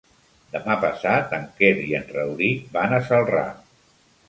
Demà passat en Quer i en Rauric van a Celrà.